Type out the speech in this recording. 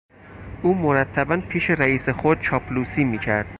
او مرتبا پیش رئیس خود چاپلوسی میکرد.